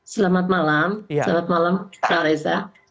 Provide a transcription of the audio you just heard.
selamat malam selamat malam pak reza